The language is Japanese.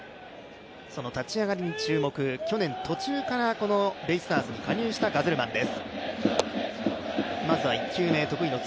立ち上がりに注目、去年途中からベイスターズに加入したガゼルマンです。